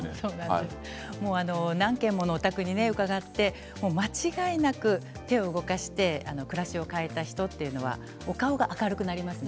何軒ものお宅に伺って間違いなく手を動かして暮らしを変えた人というのはお顔が明るくなります。